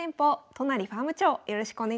都成ファーム長よろしくお願いします。